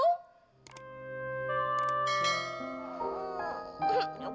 kamu mau kasih jalan pesen aku